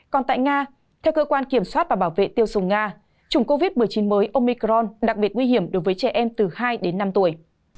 còn tại nga theo cơ quan kiểm soát và bảo vệ tiêu dùng nga chủng covid một mươi chín mới omicron đặc biệt nguy hiểm đối với trẻ em từ hai đến năm tuổi